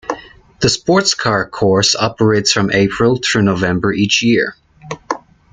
The sports car course operates from April through November each year.